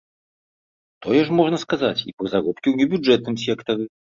Тое ж можна сказаць і пра заробкі ў небюджэтным сектары.